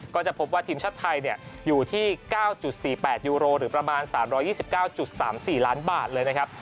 ก็จะพบว่าทีมชาติไทยอยู่ที่๙๔๘ยูโรหรือประมาณ๓๒๙๓๔ล้านบาทเลยนะครับ